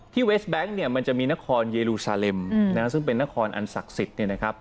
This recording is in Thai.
ที่เวสต์แบงค์มันจะมีนครเยลูซาเลมซึ่งเป็นนครอันศักดิ์สิทธิ์